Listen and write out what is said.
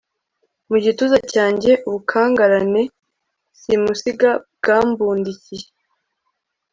mu gituza cyanjye, ubukangarane simusiga bwambundikiye